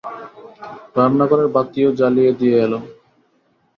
রান্নাঘরের বাতিও জ্বালিয়ে দিয়ে এল।